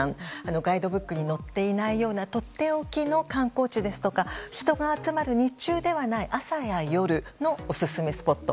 ガイドブックに載っていないようなとっておきの観光地ですとか人が集まる日中ではない朝や夜のオススメスポット。